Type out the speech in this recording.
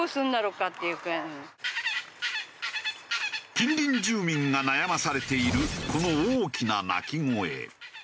近隣住民が悩まされているこの大きな鳴き声。